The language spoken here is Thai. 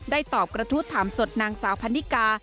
ตอบกระทู้ถามสดนางสาวพันนิกา